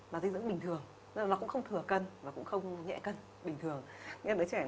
là di dưỡng bình thường nó cũng không thừa cân và cũng không nhẹ cân